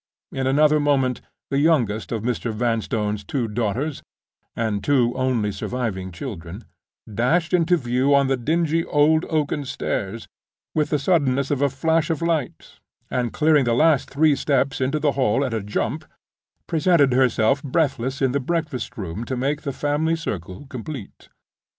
In another moment the youngest of Mr. Vanstone's two daughters (and two only surviving children) dashed into view on the dingy old oaken stairs, with the suddenness of a flash of light; and clearing the last three steps into the hall at a jump, presented herself breathless in the breakfast room to make the family circle complete.